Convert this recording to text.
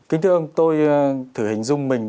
kinh thương tôi thử hình dung mình